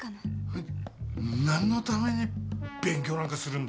何のために勉強なんかするんだ？